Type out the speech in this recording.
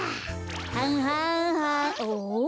はんはんはん。おっ？